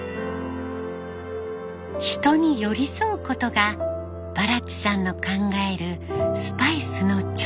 人に寄り添うことがバラッツさんの考えるスパイスの調合です。